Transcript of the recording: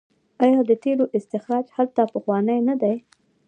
آیا د تیلو استخراج هلته پخوانی نه دی؟